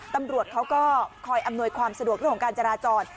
ตำรวจเขาก็คอยอำนวยความสะดวกเรื่องของการจราจร